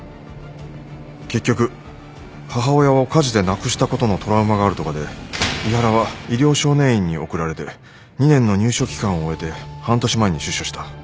結局母親を火事で亡くしたことのトラウマがあるとかで井原は医療少年院に送られて２年の入所期間を終えて半年前に出所した。